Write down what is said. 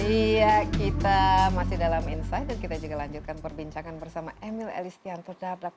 iya kita masih dalam insight dan kita juga lanjutkan perbincangan bersama emil elistianto dardak